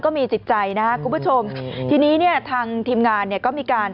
ก็มีสิทธิ์ใจนะคุณผู้ชมที่นี้เนี่ยทางทีมงานเนี่ยก็มีการ